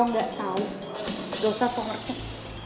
kalau gak tau dosa pengertian